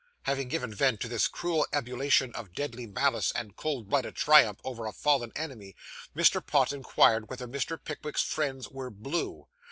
Having given vent to this cruel ebullition of deadly malice and cold blooded triumph over a fallen enemy, Mr. Pott inquired whether Mr. Pickwick's friends were 'blue?